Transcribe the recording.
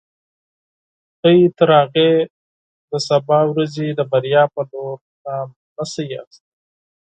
تاسو تر هغې د سبا ورځې د بریا په لور ګام نشئ اخیستلای.